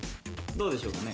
どうでしょうかね。